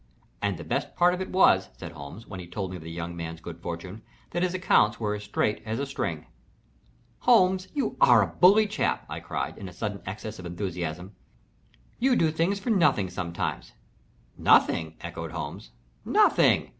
"And the best part of it was," said Holmes, when he told me of the young man's good fortune, "that his accounts were as straight as a string." "Holmes, you are a bully chap!" I cried, in a sudden excess of enthusiasm. "You do things for nothing sometimes " "Nothing!" echoed Holmes "nothing!